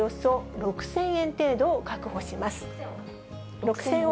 ６０００億円程度を確保します。